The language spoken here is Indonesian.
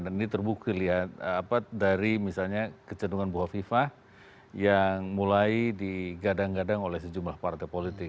ini terbukti lihat dari misalnya kecendungan bu hovifah yang mulai digadang gadang oleh sejumlah partai politik